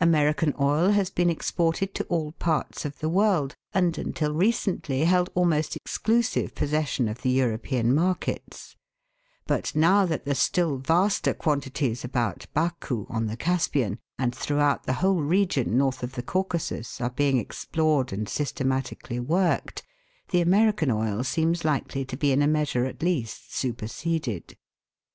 American oil has been exported to all parts of the world, and until recently held almost exclusive possession of the European markets ; but, now that the still vaster quantities about Baku, on the Caspian, and throughout the whole region north of the Caucasus are being explored and systematically worked, the American oil seems likely to be in a measure at least superseded.